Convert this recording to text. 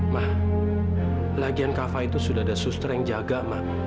ma lagian kava itu sudah ada suster yang jaga ma